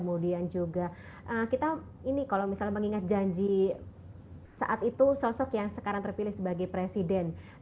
kemudian juga kita ini kalau misalnya mengingat janji saat itu sosok yang sekarang terpilih sebagai presiden